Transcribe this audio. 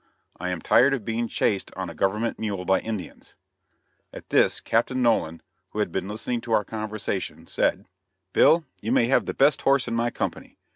I am tired of being chased on a government mule by Indians." At this Captain Nolan, who had been listening to our conversation, said: "Bill, you may have the best horse in my company.